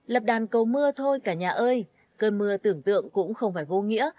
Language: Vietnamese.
lập đàn cầu mưa thôi cả nhà ơi cơn mưa tưởng tượng cũng không phải vô nghĩa